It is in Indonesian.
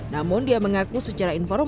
namun dia mengaku secara informasi